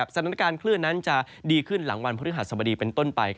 สถานการณ์คลื่นนั้นจะดีขึ้นหลังวันพฤหัสบดีเป็นต้นไป